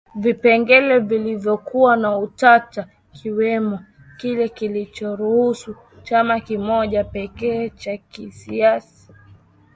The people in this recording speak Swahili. Vipengele vilivyokuwa na utata kikiwemo kile kilichoruhusu chama kimoja pekee cha kisiasa